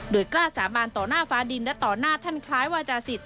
โดยกล้าสาบานต่อหน้าฟ้าดินและต่อหน้าท่านคล้ายวาจาศิษย